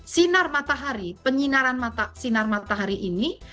sinar matahari penyinaran sinar matahari ini